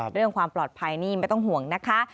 เรื่องความปลอดภัยนี่ไม่ต้องห่วงนะคะ